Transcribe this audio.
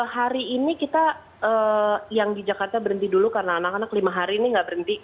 hari ini kita yang di jakarta berhenti dulu karena anak anak lima hari ini nggak berhenti